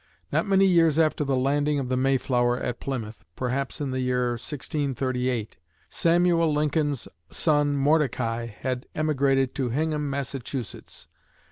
Not many years after the landing of the "Mayflower" at Plymouth perhaps in the year 1638 Samuel Lincoln's son Mordecai had emigrated to Hingham, Massachusetts.